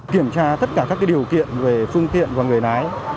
kiểm tra tất cả các điều kiện về phương tiện và người lái